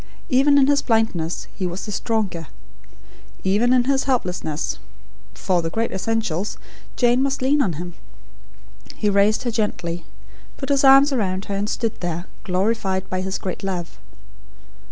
Even in his blindness, he was the stronger. Even in his helplessness, for the great essentials, Jane must lean on him. He raised her gently, put his arms about her, and stood there, glorified by his great love.